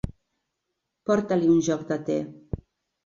Porta-li un joc de tè.